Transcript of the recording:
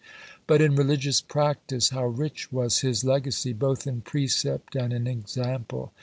But in religious practice, how rich was his legacy both in precept and in example!